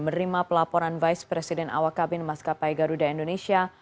menerima pelaporan vice president awakabin maskapai garuda indonesia